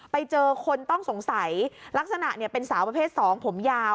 ไปเจอคนต้องสงสัยลักษณะเป็นสาวประเภท๒ผมยาว